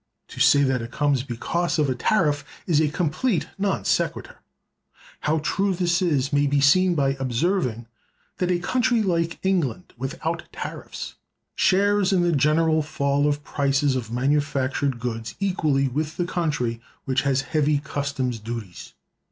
To say that it comes because of a tariff, is a complete non sequitur. How true this is may be seen by observing that a country like England, without tariffs, shares in the general fall of prices of manufactured goods equally with the country which has heavy customs duties.